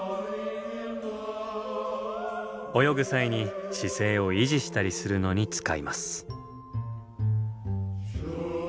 泳ぐ際に姿勢を維持したりするのに使います。